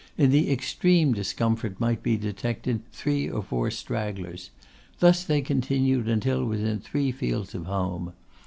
In the extreme distance might be detected three or four stragglers. Thus they continued until within three fields of home.